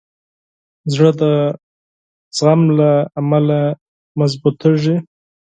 زړه د صبر له امله قوي کېږي.